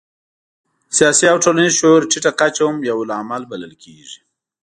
سیاسي او ټولنیز شعور ټیټه کچه هم یو لامل بلل کېږي.